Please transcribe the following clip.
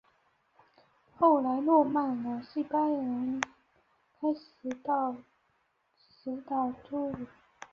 后来诺曼人和西班牙人开始移到此岛居住。